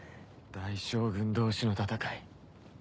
大将軍同士の戦い。